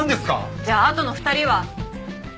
じゃああとの２人は？